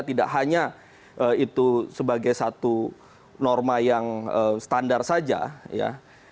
tidak hanya itu sebagai satu norma yang standar saja ya